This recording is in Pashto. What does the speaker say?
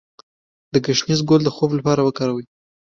د ګشنیز ګل د خوب لپاره وکاروئ